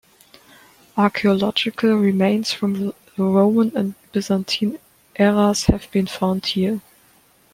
Archaeological remains from the Roman and Byzantine eras have been found here.